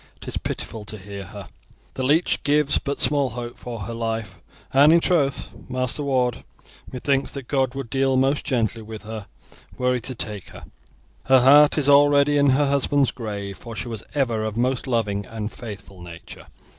It is pitiful to hear her. The leech gives but small hope for her life, and in troth, Master Ward, methinks that God would deal most gently with her were He to take her. Her heart is already in her husband's grave, for she was ever of a most loving and faithful nature.